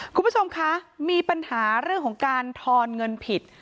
คุณผู้ชมคะมีปัญหาเรื่องของการทอนเงินผิด